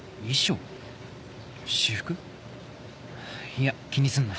いや気にすんな